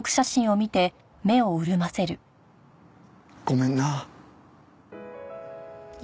ごめんな。